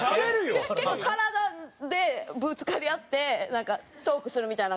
結構体でぶつかり合ってトークするみたいなのが多かった。